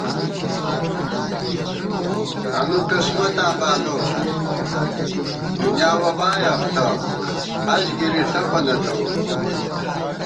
تانُو قسمتاں بانوک ، دُنیا وبائے اختہ ، حج گِرِی ݪپہ نہ تَوُم